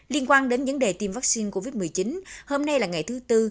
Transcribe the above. liên quan đến vấn đề tiêm vaccine covid một mươi chín hôm nay là ngày thứ tư